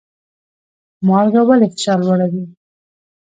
مالګه ولې فشار لوړوي؟